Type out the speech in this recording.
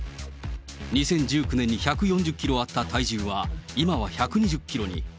２０１９年に１４０キロあった体重は、今は１２０キロに。